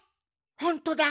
ほんとだ！